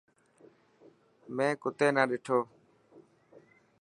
مين ڪتي نا ڏنو.